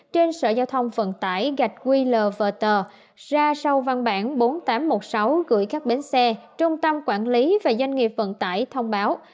trên sở giao thông vận tải gạch qlverter ra sau văn bản bốn nghìn tám trăm một mươi sáu gửi các bến xe trung tâm quản lý và doanh nghiệp vận tải thông báo